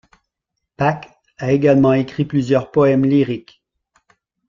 Pak a également écrit plusieurs poèmes lyriques.